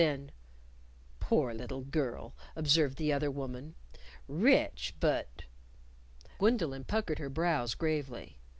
Then, "Poor little girl!" observed the other woman. "Rich, but " Gwendolyn puckered her brows gravely.